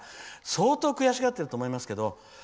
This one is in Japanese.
相当、悔しがってると思いますけど。